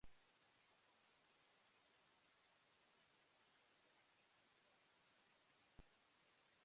However, this version contains only extracts, and much abridged.